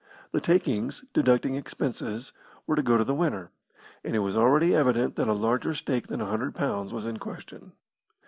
The takings, deducting expenses, were to go to the winner, and it was already evident that a larger stake than a hundred pounds was in question.